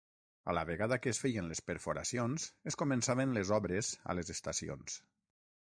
A la vegada que es feien les perforacions es començaven les obres a les estacions.